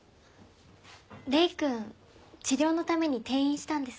礼くん治療のために転院したんです。